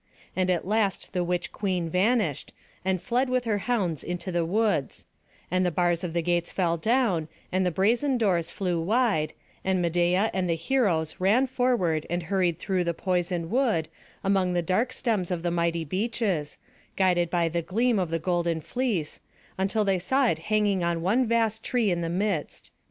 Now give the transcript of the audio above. And at last the witch queen vanished, and fled with her hounds into the woods; and the bars of the gates fell down, and the brazen doors flew wide, and Medeia and the heroes ran forward and hurried through the poison wood, among the dark stems of the mighty beeches, guided by the gleam of the golden fleece, until they saw it hanging on one vast tree in the midst.